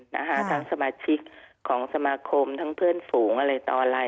ทั้งสมาชิกของสมาคมทั้งเพื่อนฝูงตอลัย